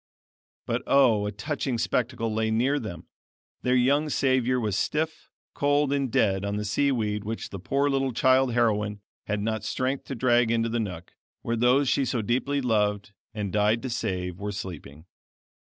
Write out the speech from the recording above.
But oh! a touching spectacle lay near them; their young savior was stiff, cold, and dead on the sea weed which the poor little child heroine had not strength to drag into the nook, where those she so deeply loved, and died to save, were sleeping.